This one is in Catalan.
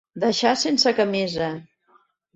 Deixar sense camisa.